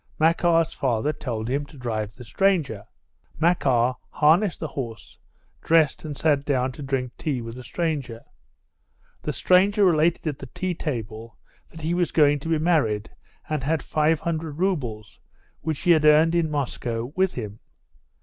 Makar's father told him to drive the stranger. Makar harnessed the horse, dressed, and sat down to drink tea with the stranger. The stranger related at the tea table that he was going to be married and had five hundred roubles, which he had earned in Moscow, with him.